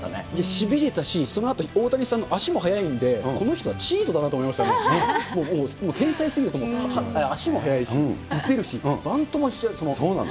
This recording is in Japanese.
しびれたし、そのあとの大谷さんの足も速いんで、この人はだなと思いましたし、天才すぎるし、足も速いし、打てるし、バントもしてる。